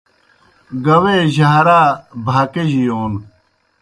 گاوے جھارا بھاکِجیْ یون